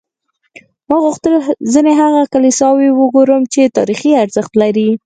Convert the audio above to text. ما غوښتل ځینې هغه کلیساوې وګورم چې تاریخي ارزښت لري.